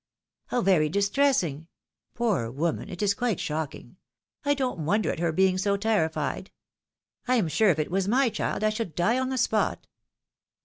" How very distressing !"" Poor woman ! It is quite shocking !"" I don't wonder at her being so terrified." " I am sure if it was my child I should die on the spot."